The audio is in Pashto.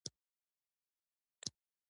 زما او عوض خان کاکا ترمنځ.